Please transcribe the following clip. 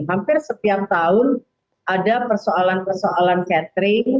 hampir setiap tahun ada persoalan persoalan catering